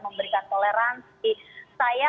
memberikan toleransi saya rasanya mirip hati saya